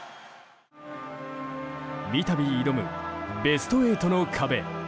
三度挑むベスト８の壁。